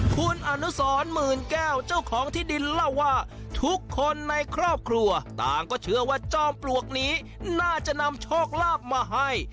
คุณอนุสรหมื่นแก้วเจ้าของที่ดินเล่าว่าทุกคนในครอบครัวต่างก็เชื่อว่าจอมปลวกนี้น่าจะนำโชคลาภมาให้